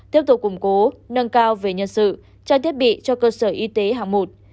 tiếp tục củng cố nâng cao về nhân sự trang thiết bị cho cơ sở y tế hàng một